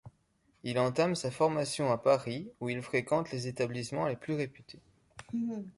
Il entame sa formation à Paris où il fréquente les établissements les plus réputés.